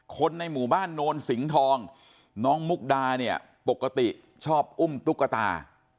คนในหมู่บ้านโนนสิงห์ทองน้องมุกดาเนี่ยปกติชอบอุ้มตุ๊กตา